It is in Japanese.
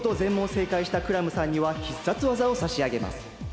せいかいしたクラムさんには必殺技をさしあげます。